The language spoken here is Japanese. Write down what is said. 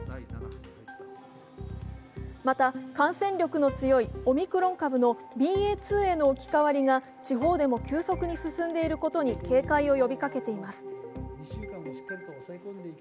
また、感染力の強いオミクロン株のＢＡ．２への置き換わりが地方でも急速に進んでいることに警戒を呼びかけています。